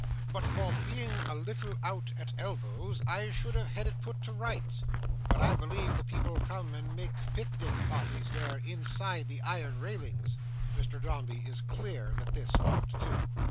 But for being a little out at elbows, I should have had it put to rights; but I believe the people come and make pic nic parties there inside the iron railings." Mr Dombey is clear that this won't do.